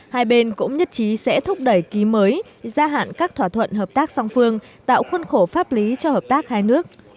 hai bên cũng nhất trí sẽ thúc đẩy ký mới gia hạn các thỏa thuận hợp tác song phương tạo khuân khổ pháp lý cho hợp tác hai nước